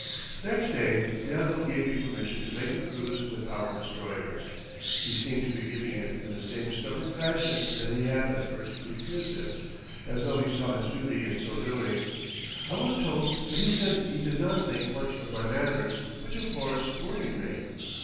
Next day the admiral gave me permission to make a cruise with our destroyers. He seemed to be giving it in the same stubborn fashion that he had at first refused it as though he saw his duty in so doing. I was told that he said he did not think much of my manners; which, of course, worried me.